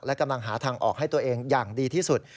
และกำลังหาทางออกให้ตัวเองอย่างดีที่สุด